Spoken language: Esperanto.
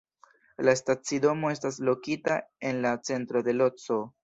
La stacidomo estas lokita en la centro de Lodzo.